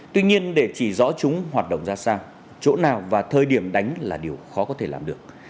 tuy nhiên để chỉ rõ chúng hoạt động ra sao chỗ nào và thời điểm đánh là điều khó có thể làm được